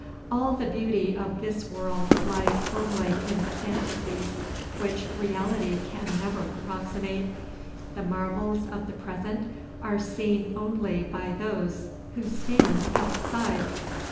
All the beauty of this world lies only in the fantasies which reality can never approximate. The marvels of the present are seen only by those who stand outside.